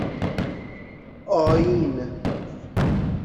آئین